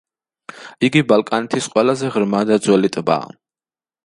იგი ბალკანეთის ყველაზე ღრმა და ძველი ტბაა.